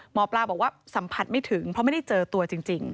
หมอปลาบอกว่าสัมผัสไม่ถึงเพราะไม่ได้เจอตัวจริง